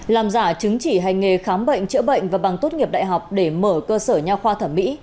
làm giả chứng chỉ hành nghề khám bệnh chữa bệnh và bằng tốt nghiệp đại học để mở cơ sở nhà khoa thẩm mỹ